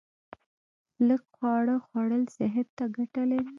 لږ خواړه خوړل صحت ته ګټه لري